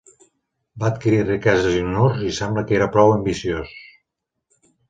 Va adquirir riqueses i honors i sembla que era prou ambiciós.